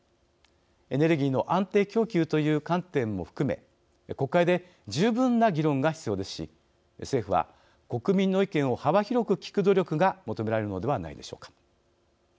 エネルギーの安定供給という観点も含め国会で十分な議論が必要ですし政府は、国民の意見を幅広く聞く努力が求められるのではないのでしょうか。